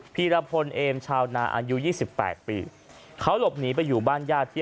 ีรพลเอมชาวนาอายุยี่สิบแปดปีเขาหลบหนีไปอยู่บ้านญาติที่